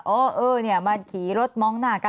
เออเออเนี่ยมาขี่รถมองหน้ากัน